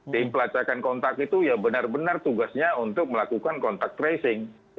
tim pelacakan kontak itu ya benar benar tugasnya untuk melakukan kontak tracing